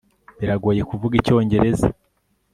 biragoye kuvuga icyongereza